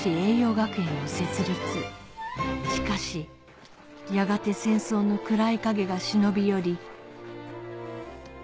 しかしやがて戦争の暗い影が忍び寄り